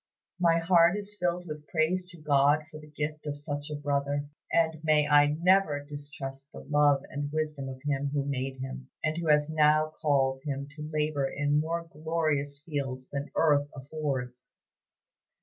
My heart is filled with praise to God for the gift of such a brother, and may I never distrust the love and wisdom of Him who made him, and who has now called him to labor in more glorious fields than earth affords!